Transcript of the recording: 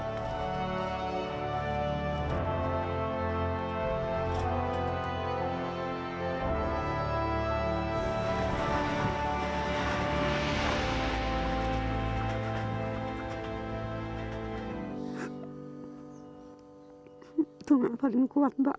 tuhan paling kuat mbak